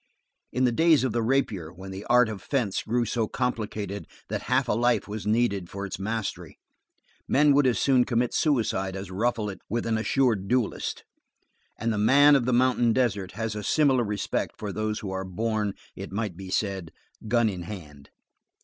In the days of the rapier when the art of fence grew so complicated that half a life was needed for its mastery, men would as soon commit suicide as ruffle it with an assured duellist; and the man of the mountain desert has a similar respect for those who are born, it might be said, gun in hand.